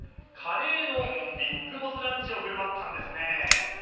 カレーのビッグボスランチを振る舞ったんですね。